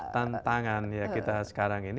tantangan ya kita sekarang ini